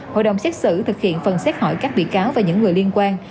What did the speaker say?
hội đồng xét xử thực hiện phần xét hỏi các bị cáo và những người liên quan